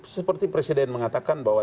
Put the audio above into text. seperti presiden mengatakan bahwa